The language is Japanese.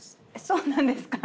そうなんですか！？